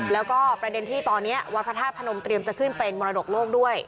แล้วก็ประเด็นที่ตอนนี้วัดพระธาตุพนมเตรียมจะขึ้นเป็นมรดกโลกด้วย